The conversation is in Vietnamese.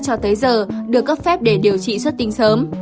cho tới giờ được cấp phép để điều trị xuất tinh sớm